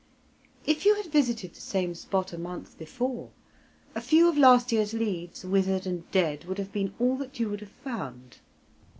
If you had visited the same spot a month before, a few (of) last year's leaves, withered and dead, would have been all that you would have found.